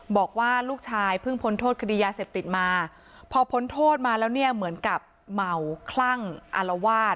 บอกว่าลูกชายเพิ่งพ้นโทษคดียาเสพติดมาพอพ้นโทษมาแล้วเนี่ยเหมือนกับเมาคลั่งอารวาส